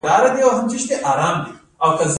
د شاحرچین ولسوالۍ لیرې ده